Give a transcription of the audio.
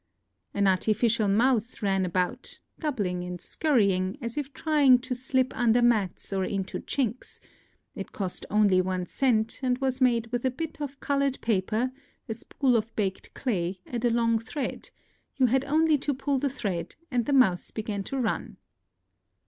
An artificial mouse ran about, doubling and scurrying, as if trying to slip under mats or into chinks : it cost only one cent, and was made with a bit of colored paper, a spool of baked clay, and a long thread ; you had only to pull the thread, and the mouse began to run.